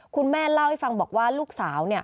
คุณแม่เล่าให้ฟังบอกว่าลูกสาว